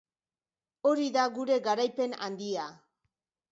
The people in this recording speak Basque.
Hori da gure garaipen handia.